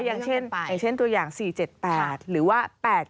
อย่างเช่นตัวอย่าง๔๗๘หรือว่า๘๗๔